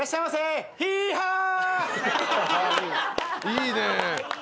いいね。